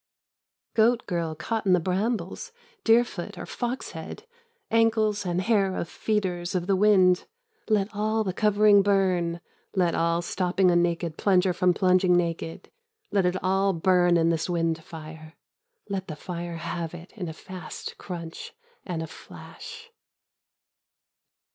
Goat girl caught in the brambles, deerfoot or fox head, ankles and hair of feeders of the wind, let all the covering burn, let all stopping a naked plunger from plunging naked, let it all burn in this wind fire, let the fire have it in a fast crunch and a flash.